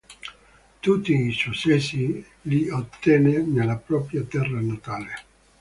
Tutti i successi li ottenne nella propria terra natale.